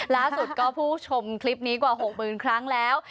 ล่าสุดก็ผู้ชมคลิปนี้กว่า๖๐๐๐ครั้งแล้ว